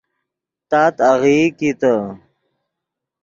تات آغیئی کیتے